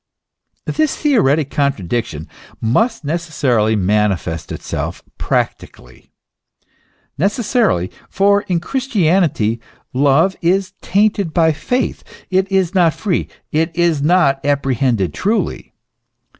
This theoretic contradiction must necessarily manifest itself practically. Necessarily ; for in Christianity love is tainted by faith, it is not free, it is not apprehended truly.